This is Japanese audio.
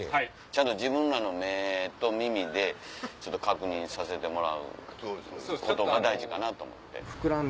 ちゃんと自分らの目と耳でちょっと確認させてもらうことが大事かなと思って。